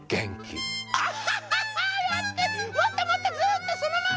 もっともっとずっとそのまま！